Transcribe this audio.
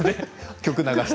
曲を流して？